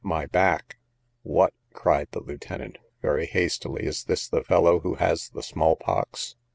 O my back! What! cried the lieutenant very hastily, is this the fellow who has the small pox?